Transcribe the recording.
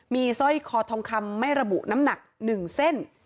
มีสร้อยคอทองคำไม่ระบุน้ำหนัก๑เส้น